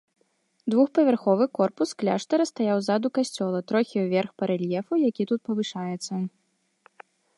Двухпавярховы корпус кляштара стаяў ззаду касцёла, трохі ўверх па рэльефу, які тут павышаецца.